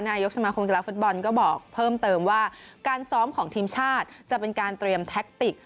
นายกสมาคมกีฬาฟุตบอลก็บอกเพิ่มเติมว่าการซ้อมของทีมชาติจะเป็นการเตรียมแท็กติก